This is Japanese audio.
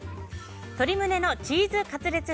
鶏胸のチーズカツレツ